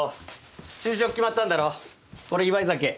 就職決まったんだろこれ祝い酒。